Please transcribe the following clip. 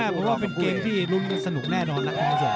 อาจจะเป็นเกมที่ลุลไม่สนุกแน่นอนนะ